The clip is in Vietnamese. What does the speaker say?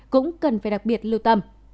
cũng cần phải đặc biệt lưu tâm